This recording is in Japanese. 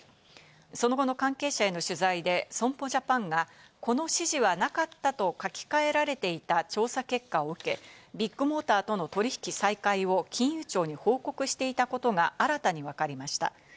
その後の関係者への取材で損保ジャパンがこの指示はなかったと書き換えられていた調査結果を受け、ビッグモーターとの取引再開を金融庁に報告していたことが新たにわかりました。